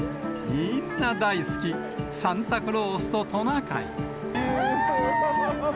みんな大好き、サンタクロースとトナカイ。